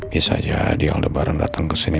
bisa jadi aldebaran dateng kesini